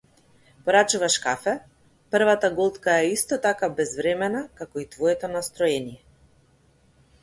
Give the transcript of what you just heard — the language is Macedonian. Порачуваш кафе, првата голтка е исто така безвремена, како и твоето настроение.